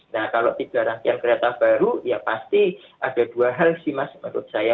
nah kalau tiga rangkaian kereta baru ya pasti ada dua hal sih mas menurut saya